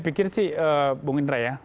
pikir sih bung indra ya